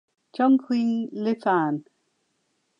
Chongqing Lifan